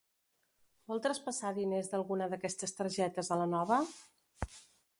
Vol traspassar diners d'alguna d'aquestes targetes a la nova?